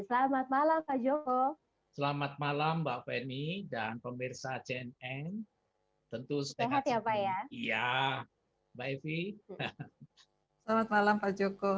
selamat malam pak joko